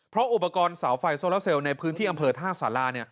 เพราะอุปกรณ์เสาไฟโซลาเซลในพื้นที่อำเภอท่าสารา